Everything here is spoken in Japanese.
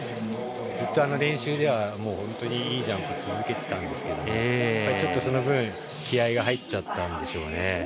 ずっと練習では、いいジャンプを続けていたんですがちょっとその分気合が入っちゃったんでしょうね。